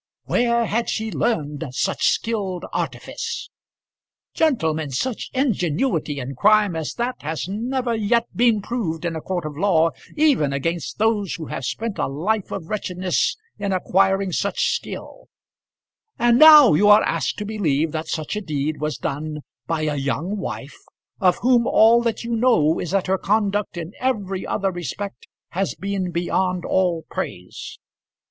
Where had she learned such skilled artifice? Gentlemen, such ingenuity in crime as that has never yet been proved in a court of law, even against those who have spent a life of wretchedness in acquiring such skill; and now you are asked to believe that such a deed was done by a young wife, of whom all that you know is that her conduct in every other respect had been beyond all praise!